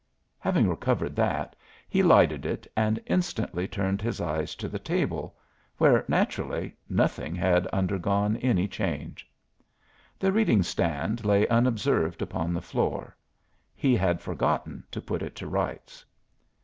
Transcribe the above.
Having recovered that, he lighted it and instantly turned his eyes to the table, where, naturally, nothing had undergone any change. The reading stand lay unobserved upon the floor: he had forgotten to "put it to rights."